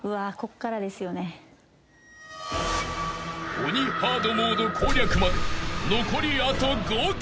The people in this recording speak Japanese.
［鬼ハードモード攻略まで残りあと５曲］